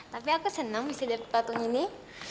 tapi aku senang bisa dapet patung ini